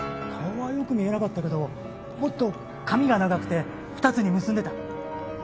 顔はよく見えなかったけどもっと髪が長くて２つに結んでた。